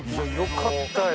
よかったよ。